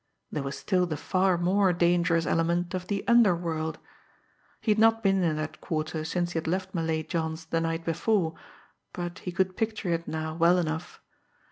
There was still the far more dangerous element of the underworld! He had not been in that quarter since he had left Malay John's the night before, but he could picture it now well enough.